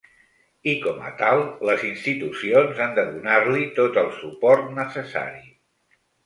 I com a tal les institucions han de donar-li tot el suport necessari.